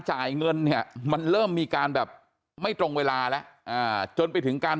จ่ายเงินเนี่ยมันเริ่มมีการแบบไม่ตรงเวลาแล้วอ่าจนไปถึงการ